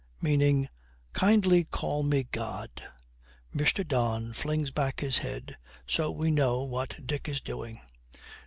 'Meaning "Kindly Call Me God!"' Mr. Don flings back his head; so we know what Dick is doing.